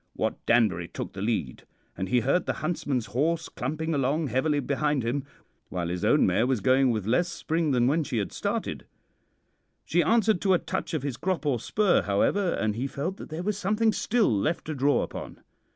Wat Danbury took the lead, and he heard the huntsman's horse clumping along heavily behind him, while his own mare was going with less spring than when she had started. She answered to a touch of his crop or spur, however, and he felt that there was something still left to draw upon.